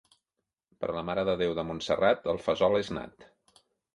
Per la Mare de Déu de Montserrat el fesol és nat.